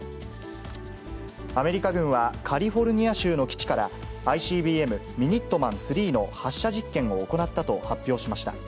アメリカ軍は、カリフォルニア州の基地から、ＩＣＢＭミニットマン３の発射実験を行ったと発表しました。